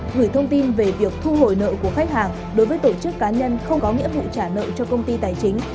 gửi thông tin về việc thu hồi nợ của khách hàng đối với tổ chức cá nhân không có nghĩa vụ trả nợ cho công ty tài chính